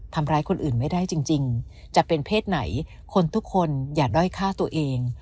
ทำร้ายคนอื่นไม่ได้จริงจะเป็นเพศไหนคนทุกคนอย่าด้อยฆ่าตัวเอง